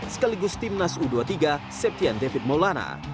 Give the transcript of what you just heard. sekaligus timnas u dua puluh tiga septian david maulana